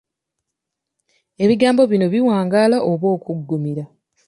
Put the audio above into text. Ebigambo bino ebiwangaala oba okuggumira?